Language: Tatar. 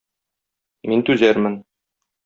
Мин түзәрмен.